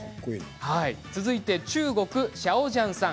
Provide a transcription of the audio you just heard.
続いて中国のシャオ・ジャンさん。